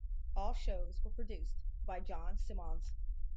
All shows were produced by John Simmonds.